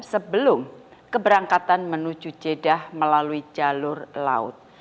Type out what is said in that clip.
sebelum keberangkatan menuju jeddah melalui jalur laut